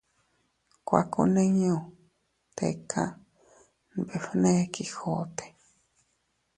—Kuakunniñu tika —nbefne Quijote—.